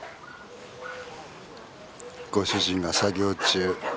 ご主人が作業中。